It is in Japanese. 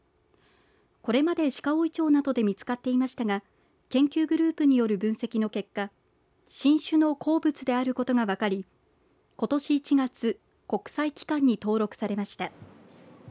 これまで鹿追町などで見つかっていましたが研究グループによる分析の結果新種の鉱物であることが分かりことし１月国際機関に登録されました。